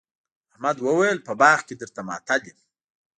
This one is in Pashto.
احمد وويل: په باغ کې درته ماتل یم.